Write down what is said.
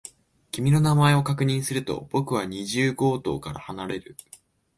君の名前を確認すると、僕は二十号棟から離れる。